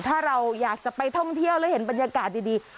ถ้าเราอยากจะไปท่องเที่ยวแล้วเห็นบรรยากาศดี